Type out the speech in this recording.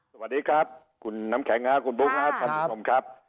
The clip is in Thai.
สวัสดีครับคุณน้ำแข็งคุณบุ๊คครับท่านผู้ชมครับ